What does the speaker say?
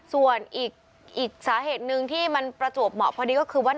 ส่วนอีกสาเหตุหนึ่งที่มันประจวบเหมาะพอดีก็คือว่า